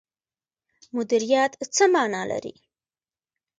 مدیریت څه مانا لري؟